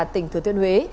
tỉnh thừa thuyên huế